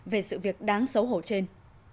về sự việc đáng xấu hổ trên